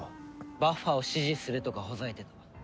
バッファを支持するとかほざいてた。